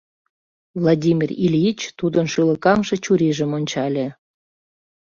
Владимир Ильич тудын шӱлыкаҥше чурийжым ончале.